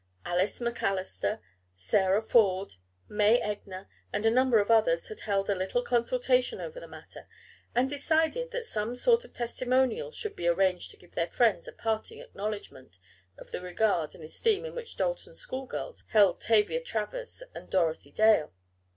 Alice MacAllister, Sarah Ford, May Egner and a number of others had held a little consultation over the matter and decided that some sort of testimonial should be arranged to give their friends a parting acknowledgment of the regard and esteem in which Dalton school girls held Tavia Travers and Dorothy Dale.